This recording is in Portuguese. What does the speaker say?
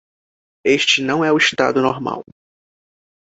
Este não é o estado normal.